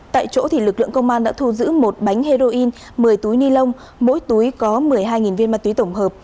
tại chỗ lực lượng công an đã thu giữ một bánh heroin một mươi túi ni lông mỗi túi có một mươi hai viên ma túy tổng hợp